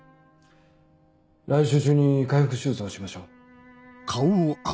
来週中に開腹手術をしましょう。